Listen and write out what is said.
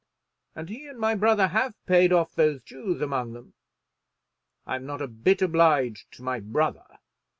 And he and my brother have paid off those Jews among them. I'm not a bit obliged to my brother.